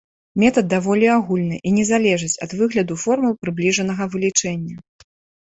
Метад даволі агульны і не залежыць ад выгляду формул прыбліжанага вылічэння.